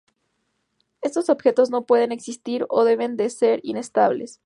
Estos objetos no pueden existir o deben de ser inestables.